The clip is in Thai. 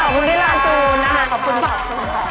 ขอบคุณมากนะคะขอบคุณพี่ตาขอบคุณพี่ลาจูน